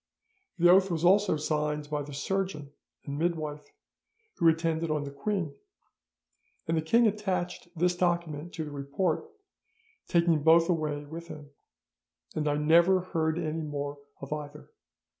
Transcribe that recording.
The oath was also signed by the surgeon and midwife who attended on the queen, and the king attached this document to the report, taking both away with him, and I never heard any more of either.